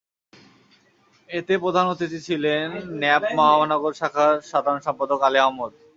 এতে প্রধান অতিথি ছিলেন ন্যাপ মহানগর শাখার সাধারণ সম্পাদক আলী আহম্মদ।